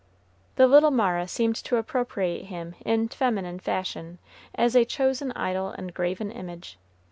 The little Mara seemed to appropriate him in feminine fashion, as a chosen idol and graven image.